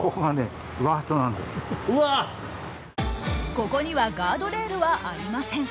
ここにはガードレールはありません。